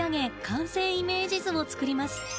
完成イメージ図を作ります。